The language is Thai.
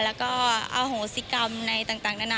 แล้วก็อโหสิกรรมในต่างนานา